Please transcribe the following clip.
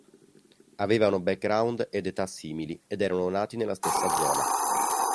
Avevano background ed età simili ed erano nati nella stessa zona.